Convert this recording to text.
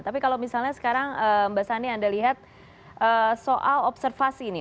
tapi kalau misalnya sekarang mbak sani anda lihat soal observasi ini